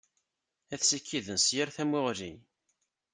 Ad t-ssikiden s yir tamuɣli.